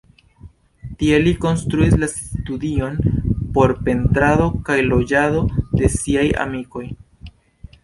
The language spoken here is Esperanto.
Tie li konstruis la studion por pentrado kaj loĝado de siaj amikoj.